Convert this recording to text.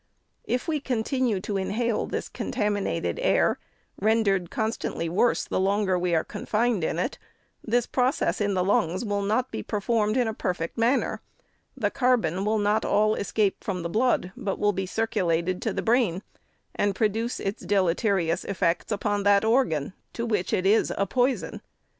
If we con tinue to inhale this contaminated air, rendered constantly worse the longer we are confined in it, this process in the lungs will not be per formed in a perfect manner ; the carbon will not all escape from the blood, but will be circulated to the brain, and produce its deleterious effects upon that organ, to which it is a poison.